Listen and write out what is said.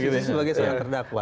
posisi sebagai seorang terdakwa